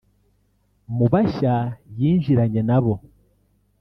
Mu bashya yinjiranye na bo